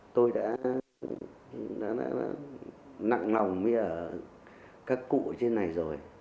tôi đã nặng lòng với các cụ trên này rồi